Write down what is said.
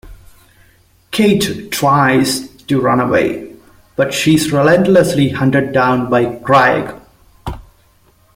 Kate tries to run away, but she's relentlessly hunted down by Craig.